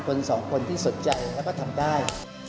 สองคนที่สนใจแล้วก็ทำได้